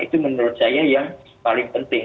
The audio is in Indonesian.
itu menurut saya yang paling penting